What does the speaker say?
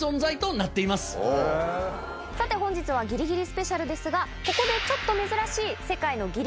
さて本日はギリギリスペシャルですがここでちょっと珍しい。